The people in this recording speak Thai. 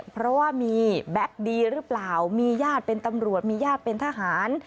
เพราะว่ามีแบ็คดีหรือเปล่ามีญาติเป็นตำรวจมีญาติเป็นทหาร